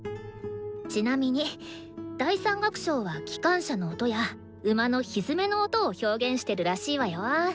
ちなみに第３楽章は機関車の音や馬のひづめの音を表現してるらしいわよ。